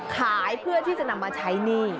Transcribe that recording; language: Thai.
ขายเพื่อที่จะนำมาใช้หนี้